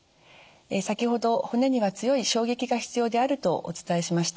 先ほど骨には強い衝撃が必要であるとお伝えしました。